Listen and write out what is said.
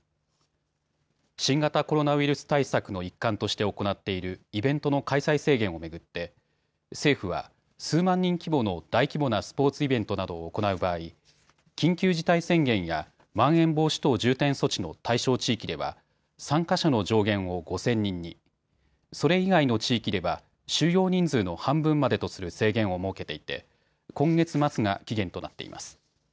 新型コロナウイルス対策の一環として行っているイベントの開催制限を巡って政府は数万人規模の大規模なスポーツイベントなどを行う場合、緊急事態宣言やまん延防止等重点措置の対象地域では参加者の上限を５０００人に、それ以外の地域では収容人数の半分までとする制限を設けていて今月末が期限となっています。